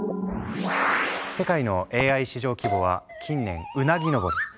世界のＡＩ市場規模は近年うなぎのぼり。